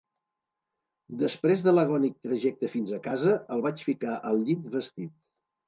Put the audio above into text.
Després de l'agònic trajecte fins a casa, el vaig ficar al llit vestit.